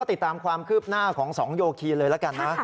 ติดตามความคืบหน้าของสองโยคีเลยละกันนะ